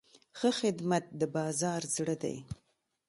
ښه خدمت د بازار زړه دی.